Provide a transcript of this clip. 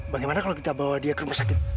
bagaimana kalau kita bawa dia ke rumah sakit